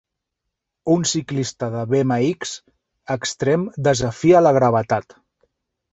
Un ciclista de BMX extrem desafia la gravetat